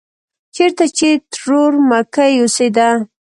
چېرته چې ترور مکۍ اوسېده.